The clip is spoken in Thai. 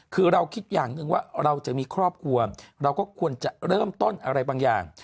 คือเราคิดอย่างหนึ่งว่าเราจะมีครอบครัวเราก็ควรจะเริ่มต้นอะไรบางอย่าง